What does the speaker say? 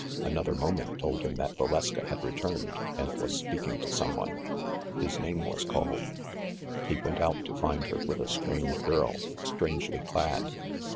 Another mo ment told him that Valeska had returned and was speaking to some one. His name was called. He went out, to find her with a strange girl, strangely clad.